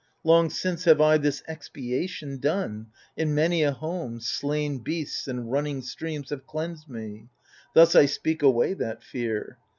Long since have I this expiation done, — In many a home, slain beasts and running streams Have cleansed me. Thus I speak away that fear.